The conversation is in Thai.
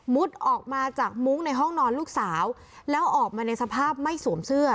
ออกมาจากมุ้งในห้องนอนลูกสาวแล้วออกมาในสภาพไม่สวมเสื้อ